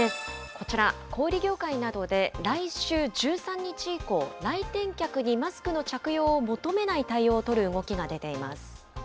こちら、小売り業界などで、来週１３日以降、来店客にマスクの着用を求めない対応を取る動きが出ています。